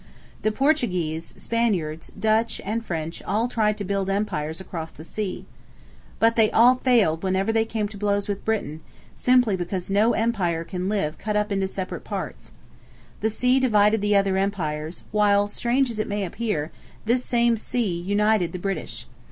The Portuguese, Spaniards, Dutch, and French all tried to build empires across the sea. But they all failed whenever they came to blows with Britain, simply because no empire can live cut up into separate parts. The sea divided the other empires, while, strange as it may appear, this same sea united the British.